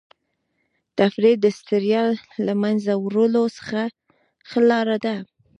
تفریح د ستړیا د له منځه وړلو ښه لاره ده.